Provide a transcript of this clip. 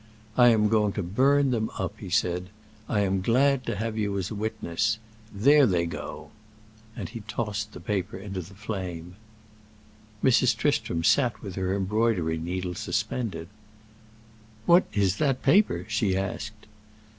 "I am going to burn them up," he said. "I am glad to have you as a witness. There they go!" And he tossed the paper into the flame. Mrs. Tristram sat with her embroidery needle suspended. "What is that paper?" she asked.